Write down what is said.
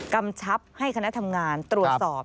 กำชับให้คณะทำงานตรวจสอบ